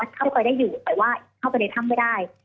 เข้าไปได้อยู่แต่ว่าเข้าไปในถ้ำไม่ได้